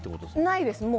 ないです。